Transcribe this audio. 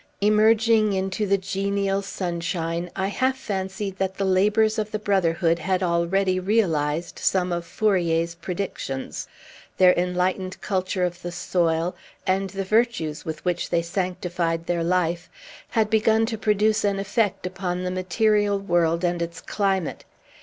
Emerging into the genial sunshine, I half fancied that the labors of the brotherhood had already realized some of Fourier's predictions. Their enlightened culture of the soil, and the virtues with which they sanctified their life, had begun to produce an effect upon the material world and its climate.